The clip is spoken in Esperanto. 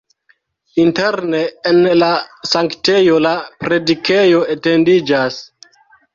Interne en la sanktejo la predikejo etendiĝas.